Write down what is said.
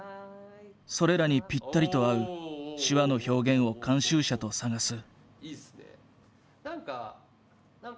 それらにピッタリと合う手話の表現を監修者と探す。